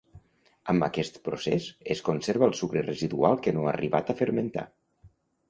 Amb aquest procés es conserva el sucre residual que no ha arribat a fermentar.